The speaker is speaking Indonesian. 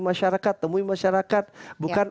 masyarakat temui masyarakat bukan